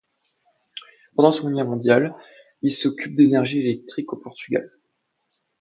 Pendant la Seconde Guerre mondiale, il s'occupe d'énergie électrique au Portugal.